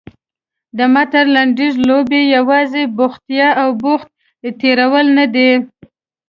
د متن لنډیز لوبې یوازې بوختیا او وخت تېرول نه دي.